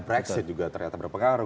brexit juga ternyata berpengaruh